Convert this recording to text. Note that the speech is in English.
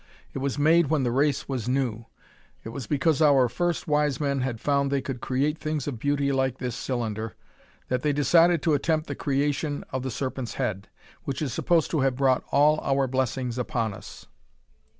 It was made when the race was new. It was because our first wise men had found they could create things of beauty like this cylinder, that they decided to attempt the creation of the Serpent's head, which is supposed to have brought all of our blessings upon us."